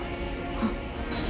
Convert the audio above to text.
あっ。